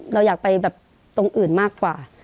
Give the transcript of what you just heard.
เราอยากไปแบบตรงอื่นมากกว่า